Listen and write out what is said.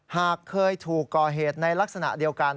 หากเคยถูกก่อเหตุในลักษณะเดียวกัน